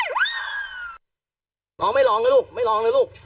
น้องไม่ร้องนะลูกไม่ร้องนะลูก